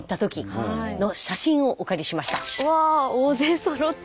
うわ大勢そろってて。